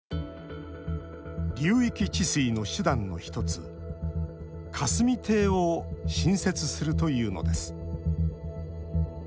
流域治水の手段の１つ「霞堤」を新設するというのです。